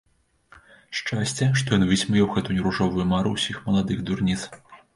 Шчасце, што ён высмеяў гэтую ружовую мару ўсіх маладых дурніц.